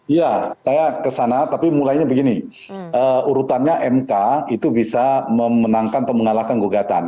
ya saya kesana tapi mulainya begini urutannya mk itu bisa memenangkan atau mengalahkan gugatan